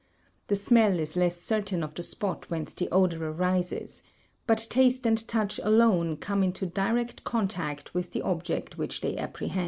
The smell is less certain of the spot whence the odour arises, but taste and touch alone come into direct contact with the object which they apprehend.